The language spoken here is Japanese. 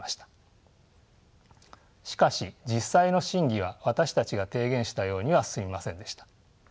しかし実際の審議は私たちが提言したようには進みませんでした。